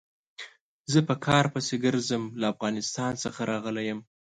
زه په کار پسې ګرځم، له افغانستان څخه راغلی يم.